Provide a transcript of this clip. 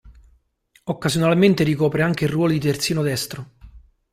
Occasionalmente ricopre anche il ruolo di terzino destro.